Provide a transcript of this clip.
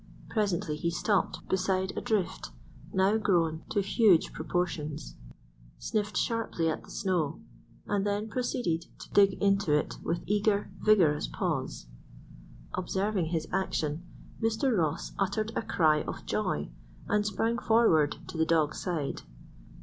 Presently he stopped beside a drift now grown to huge proportions, sniffed sharply at the snow, and then proceeded to dig into it with eager, vigorous paws. Observing his action, Mr. Ross uttered a cry of joy and sprang forward to the dog's side.